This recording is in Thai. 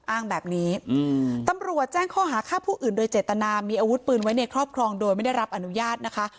อ้างแบบนี้ตำรวจแจ้งข้อหาฆ่าผู้อื่นโดยเจตนามีอาวุธปืนไว้ในครอบครองโดยไม่ได้รับอนุญาตนะคะ